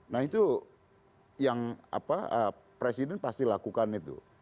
nah itu yang presiden pasti lakukan itu